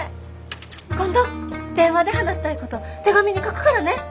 今度電話で話したいこと手紙に書くからね。